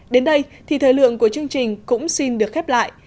đến đây thì thời lượng của chương trình cũng xin được khép lại